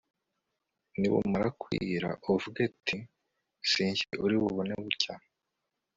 nibumara kwira uvuge uti 'si jye uri bubone bucya!